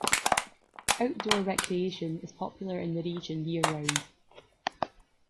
Outdoor recreation is popular in the region year-round.